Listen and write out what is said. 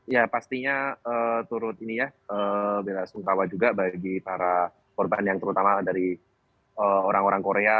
ya pastinya turut ini ya bela sungkawa juga bagi para korban yang terutama dari orang orang korea